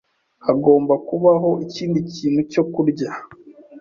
Hagomba kubaho ikindi kintu cyo kurya.